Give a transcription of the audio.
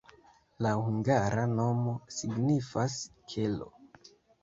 La hungara nomo signifas: kelo.